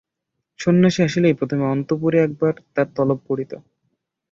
সন্ন্যাসী আসিলেই প্রথমে অন্তঃপুরে একবার তার তলব পড়িত।